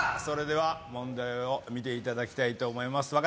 それでは問題を見ていただきたいと思います。